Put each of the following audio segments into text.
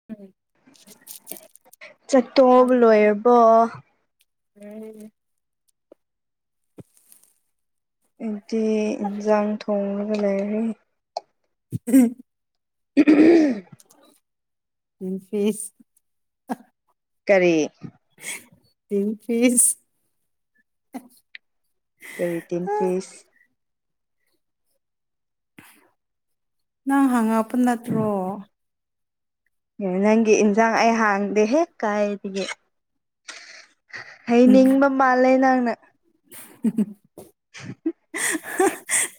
[inaudible] ꯆꯠꯇꯣꯛꯑꯕꯣ ꯂꯣꯏꯔꯕꯣ [unintelligible] ꯏꯗꯤ ꯏꯟꯖꯥꯡ ꯊꯣꯡꯔꯒ ꯂꯩꯔꯤ [inaudible] [inaudible] ꯏꯟ ꯐꯤꯁ ꯀꯔꯤ ꯇꯤꯟ ꯄꯤꯁ ꯀꯔꯤ ꯇꯤꯟ ꯐꯤꯁ ꯅꯪ ꯍꯪꯉꯛꯄ ꯅꯠꯇ꯭ꯔꯣ ꯑꯦ ꯅꯪꯒꯤ ꯏꯟꯖꯥꯡ ꯑꯩ ꯍꯥꯡꯗꯦꯍꯦ ꯀꯥꯏꯗꯒꯤ ꯎꯝ ꯍꯩꯅꯤꯡꯕ ꯃꯥꯜꯂꯦ ꯅꯪꯅ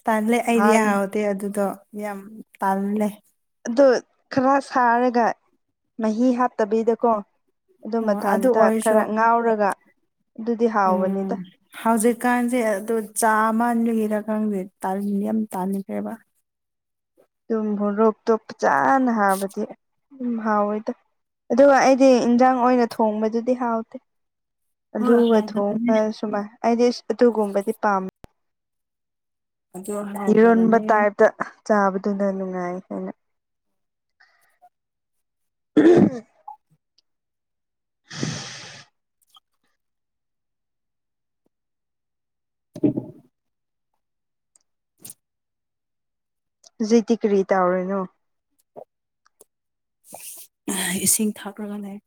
ꯇꯜꯂꯦ ꯑꯩꯗꯤ ꯍꯥꯡ ꯍꯥꯎꯠ ꯇꯦ ꯑꯗꯨꯗꯣ ꯌꯥꯝ ꯇꯜꯂꯦ ꯑꯗꯣ ꯈꯔ ꯁꯥꯔꯒ ꯃꯍꯤ ꯍꯥꯞꯇꯕꯤꯩꯗꯀꯣ ꯑꯗꯨ ꯑꯣ ꯃꯊꯟꯇ ꯑꯣꯏꯔꯁꯨ ꯈꯔ ꯉꯥꯎꯔꯒ ꯗꯨꯗꯤ ꯎꯝ ꯍꯥꯎꯕꯅꯤꯗ ꯍꯧꯖꯤꯛꯀꯥꯟꯁꯦ ꯑꯗꯨ ꯆꯥꯃꯟꯕꯒꯤꯔꯥ ꯈꯪꯗꯦ ꯇꯟ ꯌꯥꯝ ꯇꯥꯟꯈ꯭ꯔꯦꯕ ꯑꯗꯨꯝ ꯃꯣꯔꯣꯇꯣ ꯐꯖꯅ ꯍꯥꯕꯗꯤ ꯎꯝ ꯍꯥꯎꯋꯦꯗ ꯑꯗꯨꯒ ꯑꯩꯗꯤ ꯏꯟꯖꯥꯡ ꯑꯣꯏꯅ ꯊꯣꯡꯕꯗꯨꯗꯤ ꯍꯥꯎꯇꯦ ꯍꯣꯏ ꯑꯂꯨꯒ ꯊꯣꯡ ꯍꯥꯎꯇꯕꯅꯦ ꯁꯨꯃꯥꯏ ꯑꯩꯗꯤ ꯑꯗꯨꯒꯨꯝꯕꯗꯤ ꯄꯥꯝ ꯑꯗꯨ ꯏꯔꯣꯟꯕ ꯇꯥꯏꯞꯇ ꯆꯥꯕꯗꯨꯅ ꯅꯨꯡꯉꯥꯏ ꯍꯥꯏꯅ [inaudible] ꯍꯧꯖꯤꯛꯇꯤ ꯀꯔꯤꯇꯥꯎꯔꯤꯅꯣ ꯏꯁꯤꯡ ꯊꯛꯔꯒ ꯂꯩ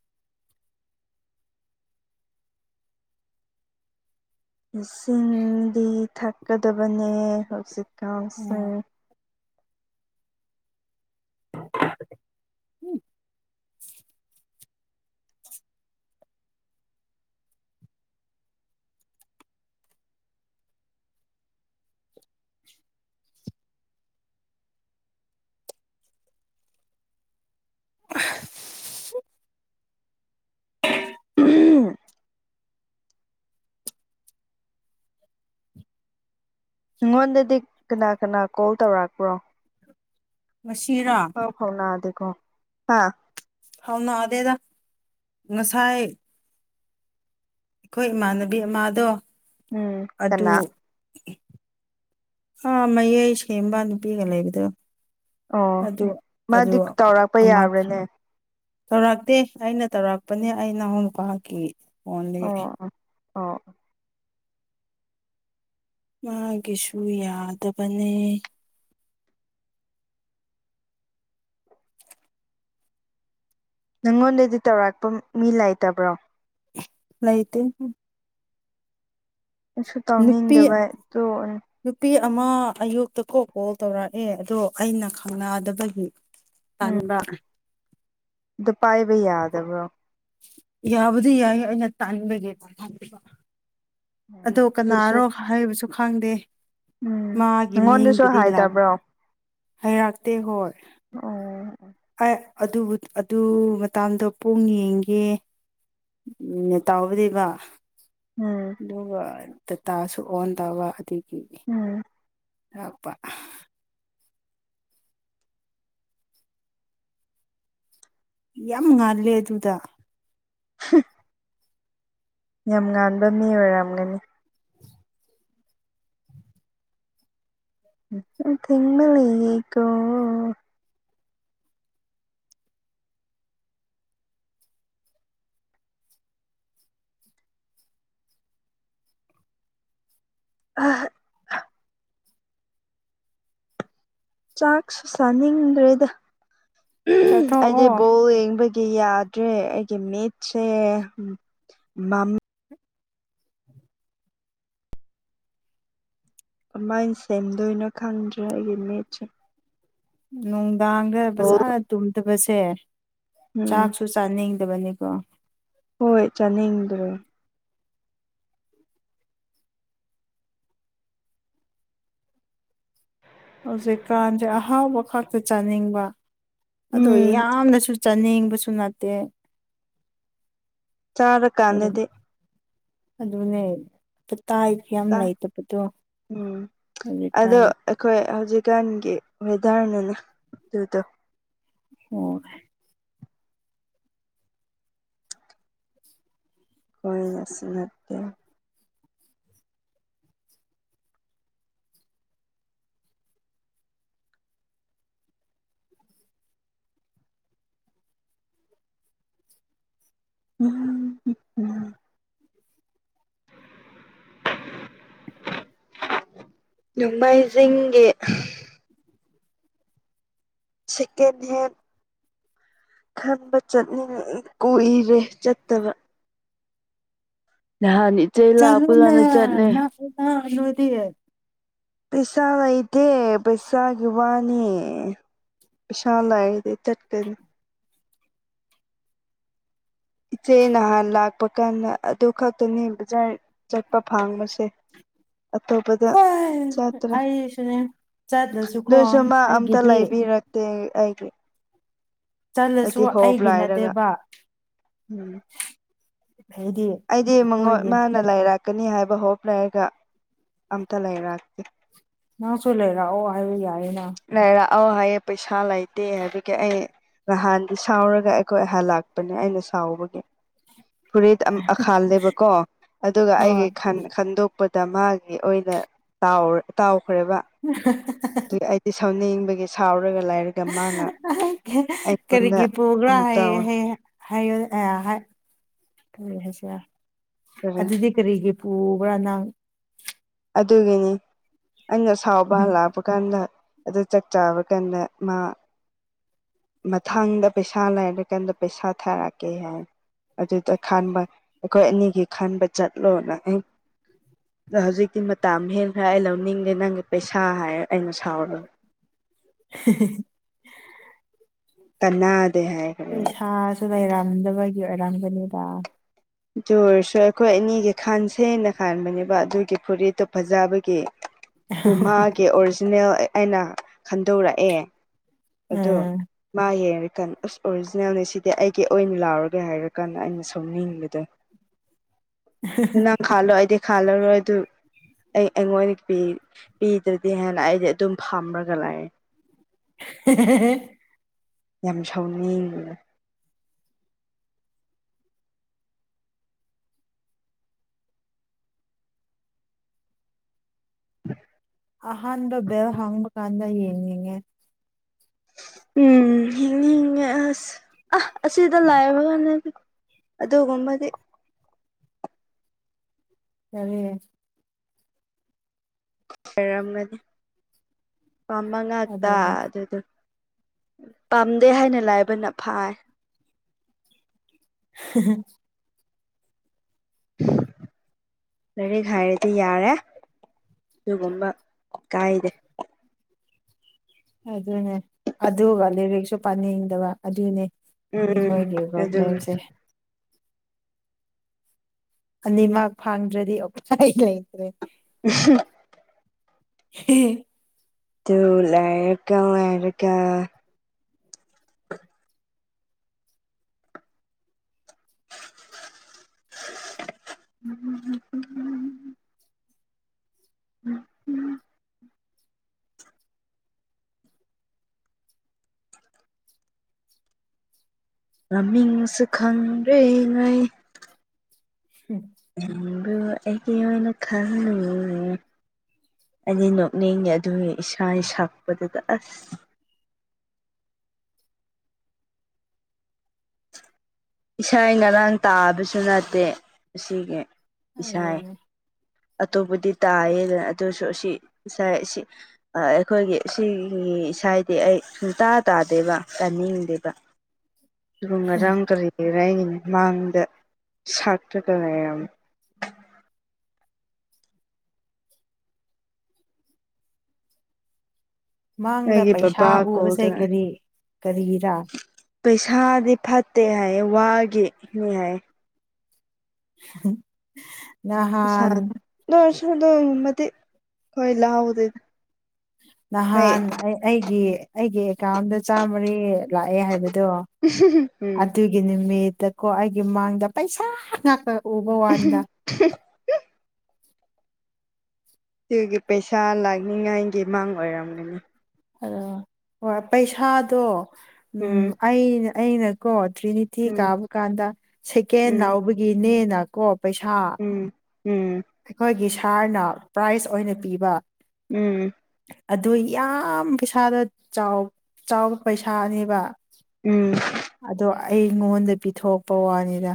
ꯏꯁꯤꯡꯗꯤ ꯊꯛꯀꯗꯕꯅꯦ ꯍꯧꯖꯤꯛꯀꯥꯟꯁꯦ ꯎꯝ ꯎꯝ [inaudible] ꯅꯉꯣꯟꯗꯗꯤ ꯀꯅꯥ ꯀꯅꯥ ꯀꯣꯜ ꯇꯧꯔꯛꯄ꯭ꯔꯣ ꯉꯁꯤꯔꯥ ꯄꯥꯎ ꯐꯥꯎꯅꯗꯦꯀꯣ ꯍꯥ ꯐꯥꯎꯅꯗꯦꯗ ꯉꯁꯥꯏ ꯑꯩꯈꯣꯏ ꯏꯃꯥꯟꯅꯕꯤ ꯑꯃꯗꯣ ꯎꯝ ꯑꯗꯨ ꯀꯅꯥ ꯑꯥ ꯃꯌꯥꯏ ꯁꯦꯝꯕ ꯅꯨꯄꯤꯒ ꯂꯩꯕꯗꯣ ꯑꯣ ꯑꯗꯨ ꯑꯗꯨ ꯃꯥꯗꯤ ꯇꯧꯔꯛꯄ ꯑꯃ ꯌꯥꯕ꯭ꯔꯥꯅꯦ ꯇꯧꯔꯛꯇꯦ ꯑꯩꯅ ꯇꯧꯔꯛꯄꯅꯦ ꯑꯩ ꯏꯅꯥꯎꯅꯨꯄꯥꯒꯤ ꯐꯣꯟꯗꯒꯤ ꯑꯣ ꯑꯣ ꯑꯣ ꯃꯥꯒꯤꯁꯨ ꯌꯥꯗꯕꯅꯦ ꯅꯪꯉꯣꯟꯗꯗꯤ ꯇꯧꯔꯛꯄ ꯃꯤ ꯂꯩꯇꯕ꯭ꯔꯣ ꯂꯩꯥꯇꯦ ꯑꯩꯁꯨ ꯅꯨꯄꯤ ꯇꯧꯅꯤꯡꯗꯕꯩ ꯇꯣꯛꯑꯦ ꯅꯨꯄꯤ ꯑꯃ ꯑꯌꯨꯛꯇ ꯀꯣ ꯀꯣꯜ ꯇꯧꯔꯛꯑꯦ ꯑꯗꯣ ꯑꯩꯅ ꯈꯪꯅꯗꯕꯒꯤ ꯇꯥꯟꯕ ꯗꯣ ꯄꯥꯏꯕ ꯌꯥꯗꯕ꯭ꯔꯣ ꯌꯥꯕꯨꯗꯤ ꯌꯥꯏ ꯑꯩꯅ ꯇꯥꯟꯕꯒꯤ [unintelligible] ꯎꯝ ꯑꯗꯣ ꯑꯗꯨꯁꯨ ꯀꯅꯥꯔꯣ ꯍꯥꯏꯕꯁꯨ ꯈꯪꯗꯦ ꯎꯝ ꯃꯥꯒꯤ ꯅꯪꯉꯣꯟꯗꯁꯨ ꯃꯤꯡꯕꯨꯗꯤ ꯂꯥꯛ ꯍꯥꯏꯗꯕ꯭ꯔꯣ ꯍꯩꯔꯥꯛꯇꯦ ꯍꯣꯏ ꯎꯝ ꯑꯩ ꯑꯗꯨꯕꯨ ꯑꯗꯨ ꯃꯇꯥꯛꯗꯣ ꯄꯨꯡ ꯌꯦꯡꯒꯦ ꯎꯝ ꯇꯥꯎꯕꯗꯤꯕ ꯎꯝ ꯑꯗꯨꯒ ꯗꯇꯥꯁꯨ ꯑꯣꯟ ꯇꯧꯕ ꯑꯗꯨꯒꯤ ꯎꯝ ꯌꯥꯛꯄ ꯌꯥꯝ ꯉꯥꯜꯂꯦ ꯑꯗꯨꯗ ꯍꯨꯝ ꯌꯥꯝ ꯉꯥꯟꯕ ꯃꯤ ꯑꯣꯏꯔꯝꯒꯅꯤ ꯌꯥꯍꯧꯊꯦꯛꯃꯟꯂꯤ ꯂꯩꯀꯣ ꯑ ꯆꯥꯛꯁꯨ ꯆꯥꯅꯤꯡꯗ꯭ꯔꯦꯗ ꯆꯠꯊꯣꯛꯑꯣ ꯑꯩꯗꯤ ꯕꯣꯜ ꯌꯦꯡꯕꯒꯤ ꯑꯩ ꯌꯥꯗ꯭ꯔꯦ ꯑꯩꯒꯤ ꯃꯤꯠꯁꯦ ꯃꯝ ꯑꯗꯨꯃꯥꯏꯅ ꯁꯦꯝꯗꯣꯏꯅꯣ ꯈꯪꯗ꯭ꯔꯦ ꯑꯩꯒꯤ ꯃꯤꯠꯁꯦ ꯅꯨꯡꯗꯥꯡꯗ ꯕꯣꯜ ꯐꯖꯥꯅ ꯇꯨꯝꯗꯕꯁꯦ ꯎꯝ ꯆꯥꯛꯁꯨ ꯆꯅꯤꯗꯕꯅꯤꯀꯣ ꯍꯣꯏ ꯆꯥꯅꯤꯡꯗ꯭ꯔꯦ ꯍꯧꯖꯤꯛꯀꯥꯟꯁꯦ ꯑꯍꯥꯎꯕ ꯈꯛꯇ ꯆꯥꯅꯤꯡꯕ ꯑꯗꯣ ꯎꯝ ꯌꯥꯝꯅꯁꯨ ꯆꯥꯅꯤꯡꯕꯁꯨ ꯅꯠꯇꯦ ꯀꯔꯤ ꯆꯥꯔꯀꯥꯟꯗꯗꯤ ꯑꯗꯨꯅꯦ ꯄꯇꯥꯏ ꯌꯥꯝ ꯂꯩꯇꯕꯗꯣ ꯎꯝ ꯑꯗꯣ ꯍꯧꯖꯤꯛꯀꯥꯟ ꯑꯩꯈꯣꯏ ꯍꯧꯖꯤꯛꯀꯥꯟꯒꯤ ꯋꯦꯗꯔꯅꯅꯦ ꯑꯗꯨꯗꯣ ꯑꯣ ꯍꯣꯏ ꯅꯠꯁꯨ ꯅꯠꯇꯦ ꯎꯝ ꯎ ꯅꯣꯡꯃꯩꯖꯤꯡꯒꯤ ꯁꯦꯀꯦꯟ ꯍꯦꯟ ꯈꯟꯕ ꯆꯠꯅꯤꯡꯉꯛ ꯢ ꯀꯨꯏꯔꯦ ꯆꯠꯇꯕ ꯅꯍꯥꯟ ꯅꯤ ꯆꯥꯂꯨꯅꯦ ꯅꯁꯨꯅ ꯅꯨꯏꯗꯤ ꯄꯩꯁꯥ ꯂꯩꯏꯇꯦ ꯄꯩꯁꯥꯒꯤ ꯋꯥꯅꯦ ꯄꯤꯁꯥ ꯂꯥꯏꯔꯗꯤ ꯆꯠꯀꯅꯤ ꯏꯆꯦ ꯅꯍꯥꯟ ꯂꯥꯛꯄ ꯀꯥꯟꯗ ꯑꯗꯨ ꯈꯛꯇꯅꯦ ꯕꯖꯥꯔ ꯆꯠꯄ ꯐꯥꯡꯕꯁꯦ ꯑꯇꯣꯞꯄꯗ ꯍꯣꯏ ꯆꯠꯇ꯭ꯔꯦ ꯑꯩꯁꯨꯅꯦ ꯆꯠꯂꯁꯨꯀꯣ ꯑꯗꯨꯁꯨ ꯃꯥ ꯑꯝꯇ ꯑꯩꯒꯤꯗꯤ ꯂꯩꯕꯤꯔꯛꯇꯦ ꯑꯩꯒꯤ ꯆꯠꯂꯁꯨ ꯑꯩꯗꯤ ꯍꯣꯞ ꯑꯩꯒꯤ ꯂꯥꯏꯔꯒ ꯅꯠꯇꯦꯕ ꯎꯝ ꯍꯩꯗꯤ ꯑꯩꯗꯤ ꯃꯉꯣꯟ ꯃꯥꯅ ꯂꯩꯔꯛꯀꯅꯤ ꯍꯥꯏꯕ ꯍꯣꯞ ꯂꯩꯒ ꯑꯝꯇ ꯂꯩꯔꯥꯛꯇꯦ ꯅꯪꯁꯨꯨ ꯂꯩꯔꯑꯣ ꯍꯥꯏꯕ ꯌꯥꯏꯅ ꯂꯩꯔꯛꯑꯣ ꯍꯥꯏꯌꯦ ꯄꯩꯁꯥ ꯂꯩꯇꯦ ꯍꯥꯏꯕꯒꯤ ꯑꯩ ꯅꯍꯥꯟꯗꯤ ꯁꯥꯎꯔꯒ ꯑꯩꯈꯣꯏ ꯍꯜꯂꯥꯛꯄꯅꯦ ꯑꯩꯅ ꯁꯥꯎꯕꯒꯤ ꯐꯨꯔꯤꯠ ꯑꯈꯥꯜꯂꯦꯕꯀꯣ ꯑꯗꯨꯒ ꯍꯣꯏ ꯑꯩꯒꯤ ꯈꯟ ꯈꯟꯗꯨꯞ ꯄꯗ ꯃꯥꯒꯤ ꯑꯣꯏꯅ ꯇꯥꯎꯔ ꯇꯥꯎꯈ꯭ꯔꯦꯕ ꯎꯝ ꯍ ꯍ ꯍ ꯑꯗꯨꯒꯤ ꯑꯩꯗꯤ ꯁꯥꯎꯅꯤꯡꯕꯒꯤ ꯁꯥꯎꯔꯒ ꯂꯩ ꯑꯥꯏꯒꯤ ꯀꯔꯤꯒꯤ ꯄꯨꯒ꯭ꯔꯥ ꯑꯃꯨꯛ ꯍꯥꯏꯌꯦ ꯇꯧꯋꯦ ꯍꯌꯦ ꯍꯥꯏꯌꯣ ꯑ ꯍꯥꯏ ꯀꯔꯤ ꯍꯥꯏꯁꯤꯔ ꯀꯔꯤ ꯑꯗꯨꯗꯤ ꯀꯔꯤꯒꯤ ꯄꯨꯕ꯭ꯔ ꯅꯪ ꯑꯗꯨꯒꯤꯅꯤ ꯑꯩꯅ ꯁꯥꯎꯕ ꯍꯜꯂꯛꯄ ꯀꯥꯟꯗ ꯑꯗꯨ ꯆꯛ ꯆꯥꯕ ꯀꯥꯟꯗ ꯃꯥ ꯃꯊꯥꯡꯗ ꯄꯩꯁꯥ ꯂꯩꯏꯔꯤꯀꯥꯟꯗ ꯄꯩꯁꯥ ꯊꯥꯔꯛꯀꯦ ꯍꯥꯏ ꯑꯗꯨꯗ ꯈꯟꯕ ꯑꯩꯈꯣꯏ ꯑꯅꯤꯒꯤ ꯈꯟꯕ ꯆꯠꯂꯣꯅ ꯑꯩ ꯑꯗꯣ ꯍꯧꯖꯤꯛꯇꯤ ꯃꯇꯥꯝ ꯍꯦꯟꯈ꯭ꯔ ꯑꯩ ꯂꯧꯅꯤꯡꯗꯦ ꯅꯪꯒꯤ ꯄꯩꯁꯥ ꯍꯥꯏꯔ ꯑꯩꯅ ꯁꯥꯎꯔ ꯍꯦꯍꯦꯍꯦ ꯀꯟꯅꯥꯗꯦ ꯍꯥꯏ ꯄꯩꯁꯥꯁꯨ ꯂꯩꯔꯝꯗꯕꯒꯤ ꯑꯣꯏꯔꯝꯒꯅꯤꯗ ꯨꯗꯨ ꯑꯣꯏꯔꯁꯨ ꯑꯈꯣꯏ ꯑꯅꯤꯒꯤ ꯈꯥꯟꯁꯦꯅ ꯈꯟꯕꯥꯅꯦꯕ ꯑꯗꯨꯒꯤ ꯐꯨꯔꯤꯠꯇꯣ ꯐꯥꯖꯕꯒꯤ ꯄꯨꯃꯥꯒꯤ ꯑꯣꯔꯖꯤꯅꯦꯜ ꯑꯩ ꯑꯩꯅ ꯈꯟꯗꯣꯔꯛꯑꯦ ꯑꯗꯣ ꯎꯝ ꯃꯥ ꯌꯦꯡꯔꯤꯀꯟ ꯎꯁ ꯑꯣꯔꯖꯤꯅꯦꯜꯅꯤ ꯁꯤꯗꯤ ꯑꯩꯒꯤ ꯑꯣꯏꯅ ꯂꯥꯎꯔꯒꯦ ꯍꯥꯏꯔ ꯀꯥꯟꯗ ꯑꯩꯅ ꯁꯥꯎꯅꯤꯡꯕ ꯇꯥ ꯅꯪ ꯈꯥꯜꯂꯣ ꯑꯩꯗꯤ ꯈꯥꯜꯂꯔꯣꯏ ꯑꯗꯨ ꯑꯩ ꯑꯩꯉꯣꯟꯀꯤ ꯄꯤꯗ꯭ꯔꯗꯤ ꯍꯥꯏꯅ ꯑꯩꯗꯤ ꯑꯗꯨꯝ ꯐꯝꯔꯒ ꯂꯩꯑꯦ ꯍꯦꯍꯦꯍꯦ ꯌꯥꯝ ꯁꯥꯎꯅꯤꯡ ꯑꯍꯥꯟꯕ ꯚꯦꯜ ꯍꯥꯡꯕ ꯀꯥꯟꯗ ꯌꯦꯡꯅꯤꯡꯉꯦ ꯎꯝ ꯌꯦꯡꯅꯤꯡꯉꯦ ꯑꯁ ꯑ ꯑꯁꯤꯗ ꯂꯩꯕ [unintelligible] ꯑꯗꯨꯒꯨꯝꯕꯗꯤ ꯀꯔꯤ ꯈꯔꯝꯒꯅꯤ ꯄꯥꯝꯕ ꯉꯥꯛꯇ ꯑꯗꯨꯅꯦ ꯑꯗꯨꯗꯨ ꯄꯥꯝꯗꯦ ꯍꯥꯏꯅ ꯂꯥꯏꯕꯅ ꯐꯥꯏ ꯍꯥ ꯍꯥ ꯂꯩꯏꯔꯤꯛ ꯍꯩꯔꯗꯤ ꯌꯥꯔꯦ ꯗꯨꯒꯨꯝꯕ ꯀꯥꯏꯗꯦ ꯑꯗꯨꯅꯦ ꯑꯗꯨꯒ ꯂꯦꯔꯤꯛꯁꯨ ꯄꯥꯅꯤꯡꯗꯕ ꯑꯗꯨꯅꯦ ꯎꯝ ꯑꯩꯈꯣꯏꯒꯤ ꯑꯗꯨ ꯄ꯭ꯔꯣꯕ꯭ꯂꯦꯝꯁꯦ ꯑꯅꯤꯃꯛ ꯐꯪꯗ꯭ꯔꯗꯤ ꯑꯣꯄꯥꯏ ꯂꯩꯇ꯭ꯔꯦ ꯎꯍꯝ ꯍꯍꯤ ꯑꯗꯨ ꯂꯥꯏꯔ ꯀꯋꯥꯏꯔ ꯀꯥ ꯍꯝ ꯍꯝ ꯍꯝ ꯍꯝ [unintelligible] ꯎꯝ ꯎꯝꯝ [unintelligible] ꯃꯃꯤꯡꯁꯨ ꯈꯪꯗ꯭ꯔꯦꯉꯩ ꯍꯨꯝ ꯅꯪꯕꯨ ꯑꯩꯒꯤ ꯑꯣꯏꯅ ꯈꯟꯂꯨꯔꯦ ꯑꯗꯤ ꯅꯣꯛꯅꯤꯡꯉꯦ ꯑꯗꯨꯒꯤ ꯏꯁꯩ ꯁꯛꯄꯗꯨꯗ ꯑꯁ ꯏꯁꯩ ꯉꯔꯥꯡ ꯇꯥꯕꯁꯨ ꯅꯠꯇꯦ ꯑꯁꯤꯒꯤ ꯏꯁꯩ ꯑꯗꯨꯅꯦ ꯑꯇꯣꯞꯄꯗꯤ ꯇꯥꯏꯌꯦꯗꯅ ꯑꯗꯨꯁꯨ ꯁꯤ ꯏꯁꯩ ꯑꯥꯁꯤ ꯑꯩꯈꯣꯏꯒꯤ ꯁꯤ ꯏꯁꯩꯗꯤ ꯑꯩ ꯁꯨꯡꯇꯥ ꯇꯥꯗꯦꯕ ꯇꯥꯅꯤꯡꯗꯦꯕ ꯑꯗꯨꯒ ꯉꯔꯥꯡ ꯀꯔꯤꯔ ꯑꯩꯒꯤ ꯃꯥꯡꯗ ꯁꯛꯇꯥꯅꯥ ꯌꯥꯝ ꯃꯡꯗ ꯑꯩꯒꯤ ꯄꯩꯁꯥ ꯕꯕꯥ ꯀꯣꯜ ꯎꯕꯁꯦ ꯇꯧꯔꯛꯑꯦ ꯀꯔꯤ ꯀꯔꯤꯔꯥ ꯄꯩꯁꯥꯗꯤ ꯐꯠꯇꯦ ꯍꯥꯏꯌꯦ ꯋꯥꯒꯤꯅꯤ ꯍꯥꯏꯌꯦ [unintelligible] ꯁꯥ ꯑꯗꯨꯑꯣꯏꯔꯁꯨ ꯑꯗꯨ ꯉꯝꯃꯗꯤ ꯑꯩꯈꯣꯏ ꯂꯧꯍꯧꯗꯣꯏꯕ ꯅꯍꯥꯟ ꯑꯩ ꯑꯩꯒꯤ ꯑꯩꯒꯤ ꯑꯦꯀꯥꯎꯟꯗ ꯆꯥꯝꯃꯥꯔꯤ ꯂꯥꯛꯑꯦ ꯍꯥꯏꯕꯗꯣ ꯎꯝ ꯑꯗꯨꯏ ꯑꯩꯒꯤ ꯅꯨꯃꯤꯠꯇ ꯀꯣ ꯑꯩꯒꯤ ꯃꯥꯡꯗ ꯄꯩꯁꯥ ꯉꯥꯛꯇ ꯎꯕ ꯋꯥꯅꯤꯗ ꯁꯤꯒꯤ ꯄꯩꯁꯥ ꯂꯥꯛꯅꯤꯡꯉꯥꯏꯒꯤ ꯃꯡ ꯑꯣꯏꯔꯝꯒꯅꯤ ꯑꯣ ꯍꯣꯏ ꯄꯩꯁꯥꯗꯣ ꯎꯝ ꯑꯩꯅ ꯑꯩꯅꯀꯣ ꯇ꯭ꯔꯤꯅꯤ ꯊꯤ ꯎꯝ ꯀꯥꯕ ꯀꯥꯟꯗ ꯁꯦꯀꯦꯟ ꯎꯝ ꯂꯥꯎꯕꯒꯤꯅꯦꯅ ꯀꯣ ꯄꯩꯁꯥ ꯎꯝ ꯎꯝ ꯑꯩꯈꯣꯏꯒꯤ ꯁꯥꯍꯔꯅ ꯄ꯭ꯔꯥꯏꯖ ꯑꯣꯏꯅ ꯄꯤꯕ ꯎꯝ ꯑꯗꯨ ꯌꯥꯝ ꯄꯩꯁꯥꯗꯣ ꯆꯥꯎ ꯆꯥꯎꯕ ꯄꯩꯁꯥꯅꯦꯕ ꯎꯝ ꯑꯗꯣ ꯑꯩꯉꯣꯟꯗ ꯄꯤꯊꯣꯛꯄ ꯋꯥꯅꯤꯗ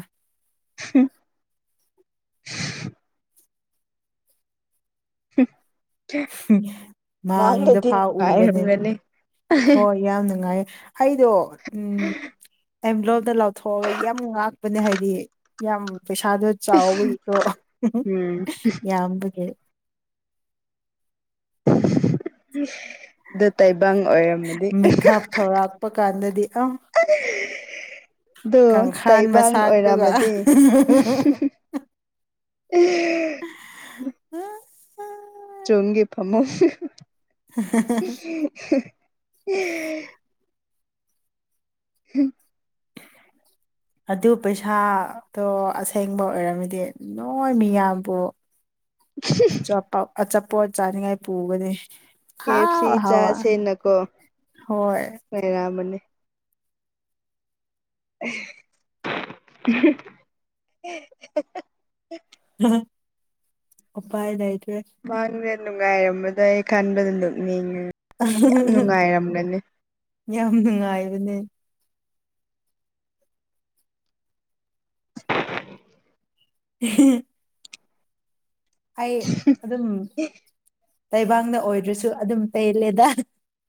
[unintelligible] ꯃꯥꯡꯗ ꯃꯡꯗꯨꯗꯤ ꯐꯥꯎ ꯎꯕꯅꯦ ꯅꯨꯡꯉꯥꯏꯔꯝꯒꯅꯤ ꯍꯣꯏ ꯌꯥꯝ ꯅꯨꯡꯉꯥꯏꯌꯦ ꯑꯩꯗꯣ ꯎꯝ ꯑꯦꯝ ꯕ꯭ꯂꯣꯞꯇ ꯂꯥꯎꯊꯣꯛꯑꯒ ꯌꯥꯝ ꯉꯥꯛꯄꯅꯦ ꯍꯥꯏꯗꯤ ꯌꯥꯝ ꯄꯩꯁꯥꯗꯣ ꯆꯥꯎꯕꯒꯤꯀꯣ ꯎꯝ ꯌꯥꯝꯕꯒꯤ ꯑꯗꯨ ꯇꯥꯏꯕꯪ ꯑꯣꯏꯔꯝ ꯃꯗꯤ ꯃꯤꯀꯞ ꯊꯧꯔꯛꯄ ꯀꯥꯟꯗꯗꯤ ꯑ [unintelligible] ꯑꯗꯨ ꯀꯥꯡꯈꯥꯟ ꯇꯥꯏꯕꯡ ꯃꯁꯥꯛꯇꯨꯒ ꯑꯣꯏꯔꯝꯃꯗꯤ [unintelligible] [unintelligible] ꯆꯣꯡꯒꯦ ꯐꯃꯨꯡ [unintelligible] [unintelligible] ꯑꯗꯨ ꯄꯩꯁꯥꯗꯣ ꯑꯁꯦꯡꯕ ꯑꯣꯏꯔꯝꯃꯤꯗꯤ ꯅꯣꯏ ꯃꯤꯌꯥꯝꯕꯨ ꯑꯆꯥꯄ ꯑꯆꯥꯄꯣꯠ ꯆꯥꯅꯤꯡꯉꯥꯏ ꯄꯨꯒꯅꯤ ꯀꯦꯞ ꯑꯍꯥꯎ ꯁꯤ ꯑꯍꯥꯎꯕ ꯆꯥꯥꯁꯦꯅꯀꯣ ꯍꯣꯏ ꯂꯩꯔꯕꯅꯤ [unintelligible] ꯎꯄꯥꯏ ꯂꯩꯏꯇ꯭ꯔꯦ ꯃꯡꯗ ꯅꯨꯡꯉꯥꯏꯔꯝꯕꯗꯣ ꯏꯊꯟꯗ ꯅꯣꯛꯅꯤꯡꯉꯤ ꯌꯥꯝ ꯅꯨꯡꯉꯥꯏꯕꯅꯦ [unintelligible] ꯑꯩ ꯑꯗꯨꯝ ꯇꯥꯏꯕꯡꯅ ꯑꯣꯏꯗ꯭ꯔꯁꯨ ꯑꯗꯨꯝ ꯄꯦꯜꯂꯦꯗ